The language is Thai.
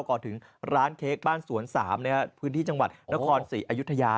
ก่อนถึงร้านเค้กบ้านสวน๓พื้นที่จังหวัดนครศรีอยุธยา